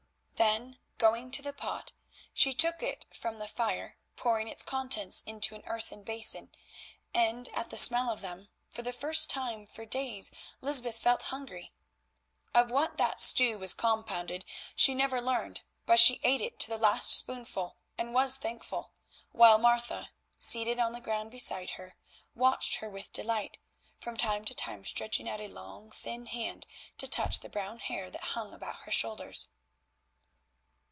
Then, going to the pot, she took it from the fire, pouring its contents into an earthen basin, and, at the smell of them, for the first time for days Lysbeth felt hungry. Of what that stew was compounded she never learned, but she ate it to the last spoonful and was thankful, while Martha, seated on the ground beside her, watched her with delight, from time to time stretching out a long, thin hand to touch the brown hair that hung about her shoulders.